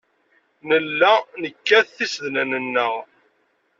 Nella nekkat tisednan-nneɣ.